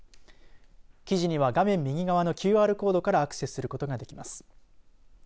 記事には画面右側のＱＲコードからアクセスすることができます。